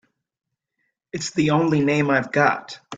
It's the only name I've got.